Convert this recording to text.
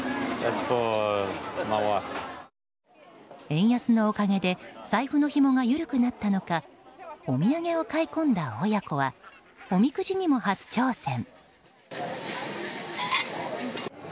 円安のおかげで財布のひもが緩くなったのかお土産を買いこんだ親子はおみくじにも初挑戦。